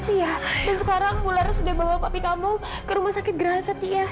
iya dan sekarang ular sudah bawa kopi kamu ke rumah sakit gerah setia